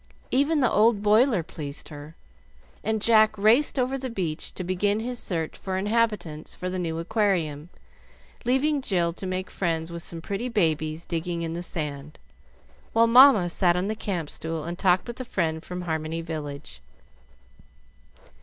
Even the old boiler pleased her, and Jack raced over the beach to begin his search for inhabitants for the new aquarium, leaving Jill to make friends with some pretty babies digging in the sand, while Mamma sat on the camp stool and talked with a friend from Harmony Village.